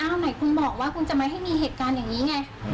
เอาไหนคุณบอกว่าคุณจะไม่ให้มีเหตุการณ์อย่างนี้ไง